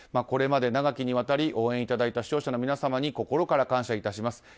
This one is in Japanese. これまで長きにわたり応援いただいた視聴者の皆様に心から感謝致します。